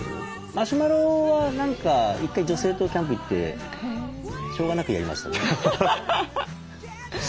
マシュマロは何か１回女性とキャンプ行ってしょうがなくやりましたね。